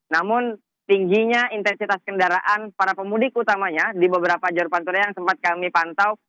namun tingginya intensitas kendaraan para pemudik utamanya di beberapa jalur pantura yang sempat kami pantau